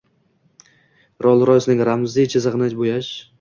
Rols Roysning ramziy chizig‘ini bo‘yash.